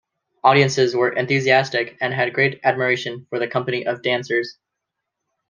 Audiences were enthusiastic and had great admiration for the company of dancers.